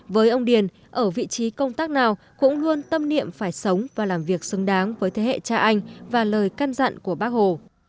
với ông điền ở vị trí công tác nào cũng luôn tâm niệm phải sống và làm việc xứng đáng với thế hệ cha anh và lời căn dặn của bác hồ